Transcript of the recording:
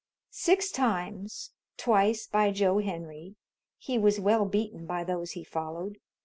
Six times twice by Joe Henry he was well beaten by those he followed.